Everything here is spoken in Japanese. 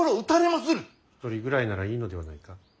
一人ぐらいならいいのではないか。